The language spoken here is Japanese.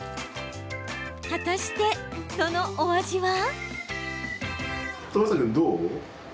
果たして、そのお味は？